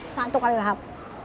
satu kali lahap